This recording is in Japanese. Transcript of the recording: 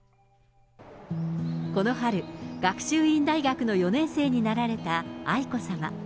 この春、学習院大学の４年生になられた愛子さま。